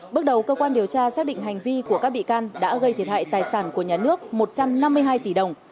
bước đầu cơ quan điều tra xác định hành vi của các bị can đã gây thiệt hại tài sản của nhà nước một trăm năm mươi hai tỷ đồng